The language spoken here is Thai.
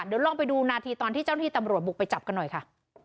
เดี๋ยวลองไปดูนาทีตอนที่เจ้าหน้าที่ตำรวจบุกไปจับกันหน่อยค่ะ